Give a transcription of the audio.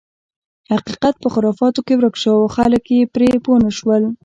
حقیقت په خرافاتو کې ورک شو او خلک یې پرې پوه نه شول.